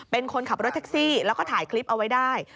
เป็นคนขับรถแท็กซี่แล้วก็ถ่ายคลิปเอาไว้ได้